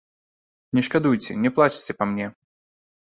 Не шкадуйце, не плачце па мне.